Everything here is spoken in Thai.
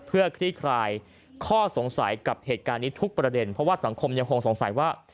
เพื่อคลี่คลายข้อสงสัยกับเหตุการณ์นี้ทุกประเด็นเพราะว่าสังคมยังคงสงสัยว่า